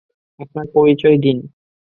আপনার পরিচয় দিন।